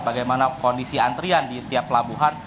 bagaimana kondisi antrian di tiap pelabuhan